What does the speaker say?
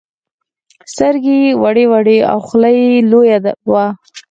سترگې يې وړې وړې او خوله يې لويه وه.